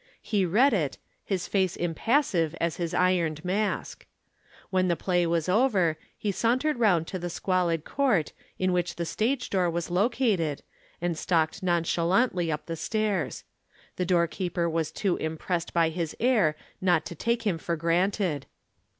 He read it, his face impassive as his Ironed Mask. When the play was over, he sauntered round to the squalid court in which the stage door was located and stalked nonchalantly up the stairs. The doorkeeper was too impressed by his air not to take him for granted.